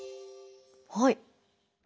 はい。